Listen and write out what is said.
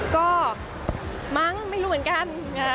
ก็มั้งไม่รู้เหมือนกัน